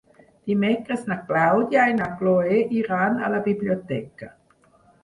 Dimecres na Clàudia i na Cloè iran a la biblioteca.